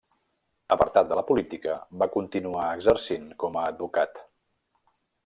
Apartat de la política, va continuar exercint com a advocat.